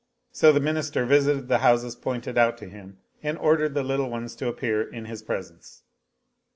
So the Minister visited the houses pointed out to him and ordered the little ones to appear in his presence.